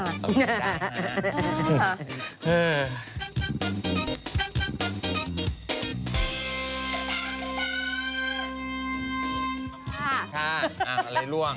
ขอบคุณค่ะอ่ะอะไรร่วง